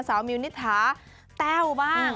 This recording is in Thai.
สาวมิวนิทราแต้วบ้าง